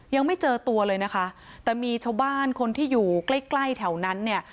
ยังไม่เจอตัวเลยนะคะแต่มีชาวบ้านคนที่อยู่ใกล้ใกล้แถวนั้นเนี่ย